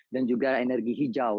dan juga energi hijau